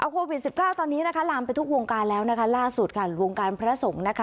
โควิด๑๕ตอนนี้ลามไปทุกวงการแล้วล่าสุดค่ะวงการพระสงฆ์